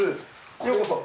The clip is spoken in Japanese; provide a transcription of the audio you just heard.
ようこそ。